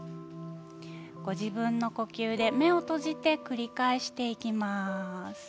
ご自分の呼吸で目を閉じて繰り返していきます。